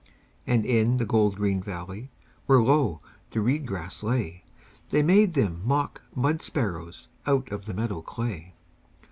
And in the gold green valley, Where low the reed grass lay, They made them mock mud sparrows Out of the meadow clay.